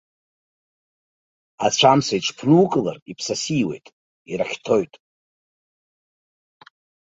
Ацәа амца иҽԥнукылар иԥсасиуеит, ирақьҭоит.